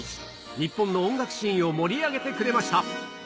日本の音楽シーンを盛り上げてくれました。